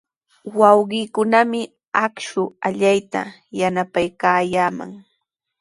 Wawqiikunami akshu allaytraw yanapaykaayaaman.